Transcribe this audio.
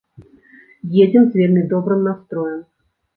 Едзем з вельмі добрым настроем.